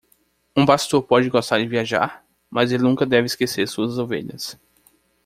Um pastor pode gostar de viajar?, mas ele nunca deve esquecer suas ovelhas.